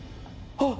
あっ！